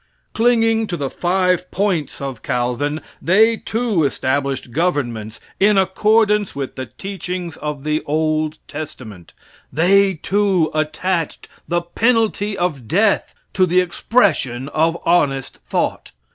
Clinging to the five points of Calvin, they, too, established governments in accordance with the teachings of the old testament. They, too, attached the penalty of death to the expression of honest thought.